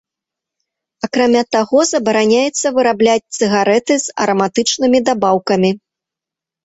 Акрамя таго, забараняецца вырабляць цыгарэты з араматычнымі дабаўкамі.